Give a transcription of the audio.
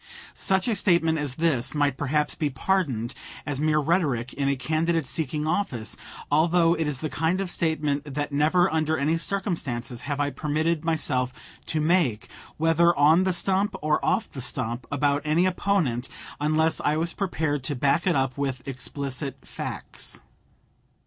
Such a statement as this might perhaps be pardoned as mere rhetoric in a candidate seeking office although it is the kind of statement that never under any circumstances have I permitted myself to make, whether on the stump or off the stump, about any opponent, unless I was prepared to back it up with explicit facts.